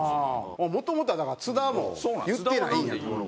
もともとはだから津田も言ってないんやから。